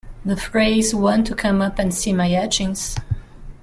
The phrase Want to come up and see my etchings?